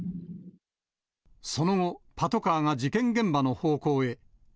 その後、パトカーが事件現場の方向へ。